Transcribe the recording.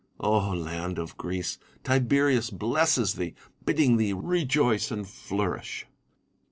land of Greece ! Tiberius blesses thee, bidding thee rejoice and fiourish.